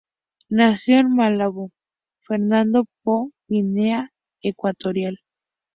Nació en Malabo, Fernando Poo, Guinea Ecuatorial.